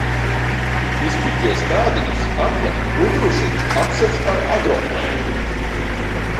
Izpiķē stādiņus, aplej, uzrušini, apsedz ar agroplēvi.